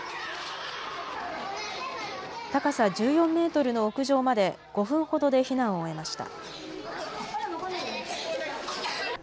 高さ１４メートルの屋上まで、５分ほどで避難を終えました。